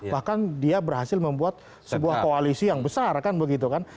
bahkan dia berhasil membuat sebuah koalisi yang besar kan begitu kan